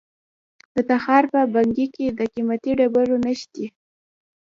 د تخار په بنګي کې د قیمتي ډبرو نښې دي.